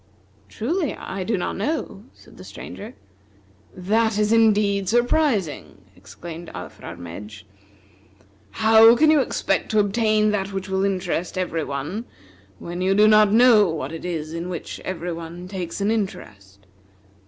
"Truly I do not know," said the Stranger. "This is indeed surprising!" exclaimed Alfrarmedj. "How can you expect to obtain that which will interest every one, when you do not know what it is in which every one takes an interest?